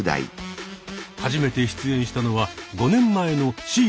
初めて出演したのは５年前のシーズン１。